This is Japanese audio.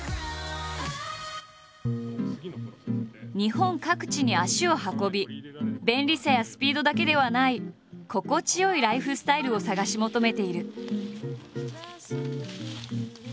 日本各地に足を運び便利さやスピードだけではない心地よいライフスタイルを探し求めている。